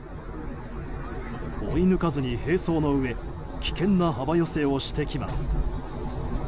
追い抜かずの並走のうえ危険な幅寄せをしてきます。